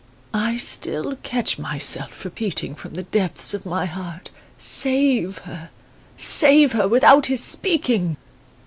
"I still catch myself repeating from the depths of my heart: 'Save her! save her without his speaking!